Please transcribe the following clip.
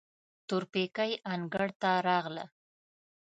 تورپيکۍ انګړ ته راغله.